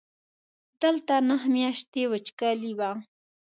دلته نهه میاشتې وچکالي وه.